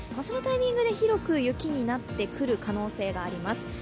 そのタイミングで広く雪になってくる可能性があります。